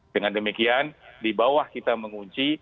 dengan demikian di bawah kita mengunci